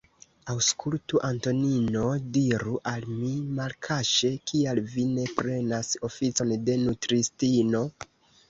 Aŭskultu, Antonino, diru al mi malkaŝe, kial vi ne prenas oficon de nutristino?